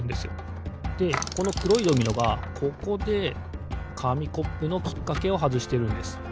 でこのくろいドミノがここでかみコップのきっかけをはずしてるんです。